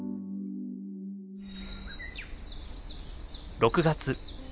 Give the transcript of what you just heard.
６月。